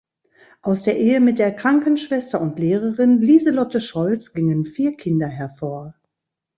Aus der Ehe mit der Krankenschwester und Lehrerin Lieselotte Scholz gingen vier Kinder hervor.